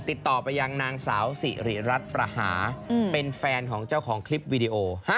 ติดต่อไปยังนางสาวสิริรัตน์ประหาเป็นแฟนของเจ้าของคลิปวีดีโอ